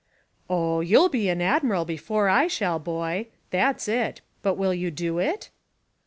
"Oh, you'll be an admiral before I shall, boy. That's it; but will you do it?"